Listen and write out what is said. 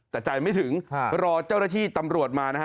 แต่ใจไม่ถึงรอเจ้าหน้าที่ตำรวจมานะฮะ